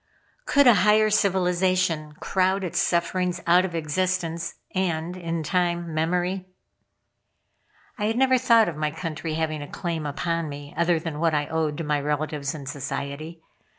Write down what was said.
Could a higher civilization crowd its sufferings out of existence and, in time, memory?" I had never thought of my country having a claim upon me other than what I owed to my relatives and society.